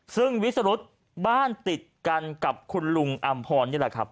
ซึ่งวิสรุธบ้านติดกันกับคุณลุงอำพรนี่แหละครับ